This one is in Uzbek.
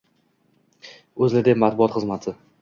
UzLiDeP matbuot xizmati